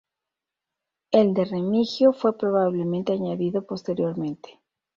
El de Remigio fue probablemente añadido posteriormente.